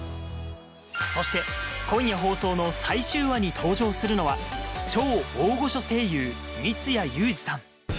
そして今夜放送の最終話に登場するのは超大御所声優